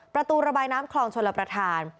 ประตูระบายน้ำคลองชลประธาน